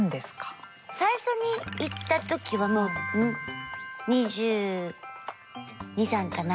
最初に行った時はもう２２２３かな。